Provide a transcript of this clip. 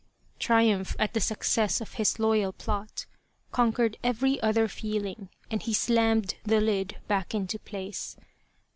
Triumph, at the success of his loyal plot, conquered every other feeling and he slammed the lid back into place.